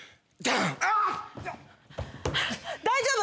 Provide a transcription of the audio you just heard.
大丈夫？